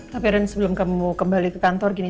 tapi ren sebelum kamu kembali ke kantor gini